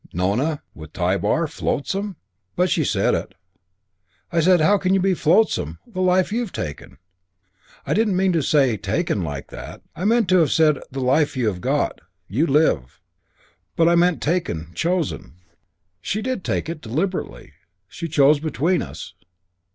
Nona, with Tybar, flotsam? But she said it. I said, 'How can you be flotsam, the life you've taken?' I didn't mean to say 'taken' like that. I meant to have said 'the life you've got, you live.' But I meant taken, chosen. She did take it, deliberately. She chose between us.